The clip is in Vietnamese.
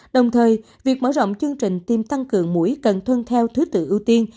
đồng thời việc mở rộng chương trình tiêm tăng cường mũi cần tuân theo thứ tự ưu tiên